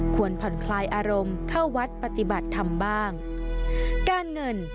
ผ่อนคลายอารมณ์เข้าวัดปฏิบัติธรรมบ้างการเงิน